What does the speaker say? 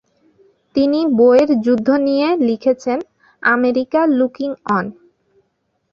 তিনি বোয়ের যুদ্ধ নিয়ে লিখেছেন "আমেরিকা লুকিং অন"।